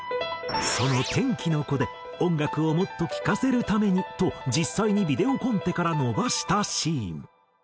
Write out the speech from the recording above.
その『天気の子』で音楽をもっと聴かせるためにと実際にビデオコンテから延ばしたシーン。